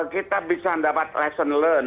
kita bisa dapat lesson learned